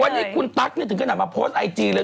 วันนี้คุณตั๊กถึงขนาดมาโพสต์ไอจีเลย